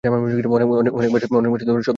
অনেক ভাষার শব্দ স্বর আছে।